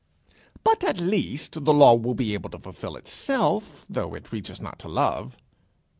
"But, at least, the law will be able to fulfil itself, though it reaches not to love."